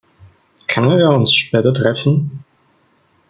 Können wir uns später treffen?